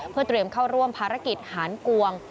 เพื่อเตรียมเข้าร่วมภารกิจหารกวง